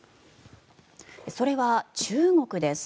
それは中国です。